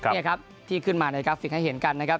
นี่ครับที่ขึ้นมาในกราฟิกให้เห็นกันนะครับ